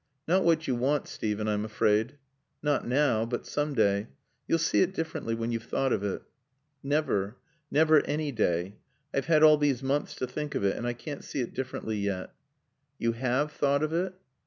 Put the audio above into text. "Not what you want, Steven, I'm afraid." "Not now. But some day. You'll see it differently when you've thought of it." "Never. Never any day. I've had all these months to think of it and I can't see it differently yet." "You have thought of it?"